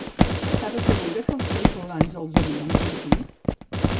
Estava segura que els tripulants els havien sentit?